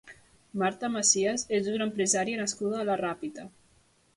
Marta Macias és una empresaria nascuda a la Ràpita.